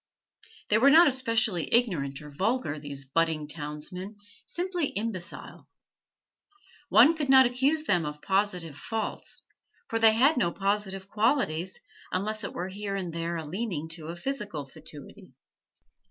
They were not especially ignorant or vulgar, these budding townsmen, simply imbecile. One could not accuse them of positive faults, for they had no positive qualities, unless it were here and there a leaning to physical fatuity.